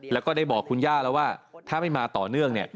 แล้วก็ได้บอกคุณย่าแล้วว่าถ้าไม่มาต่อเนื่องเนี่ย